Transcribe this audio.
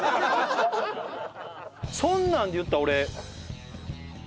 そんなんでいったら俺。